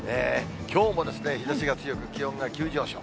きょうも日ざしが強く、気温が急上昇。